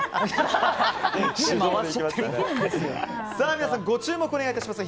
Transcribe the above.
皆さん、ご注目お願いします。